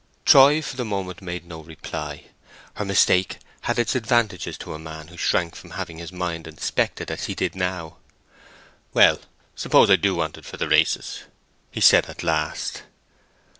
Troy for the moment made no reply. Her mistake had its advantages to a man who shrank from having his mind inspected as he did now. "Well, suppose I do want it for races?" he said, at last.